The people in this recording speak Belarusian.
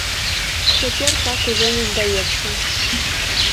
Цяпер так ужо не здаецца.